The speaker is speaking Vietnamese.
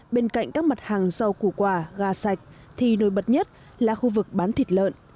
bên cạnh các mặt hàng rau củ quả gà sạch thì nổi bật nhất là khu vực bán thịt lợn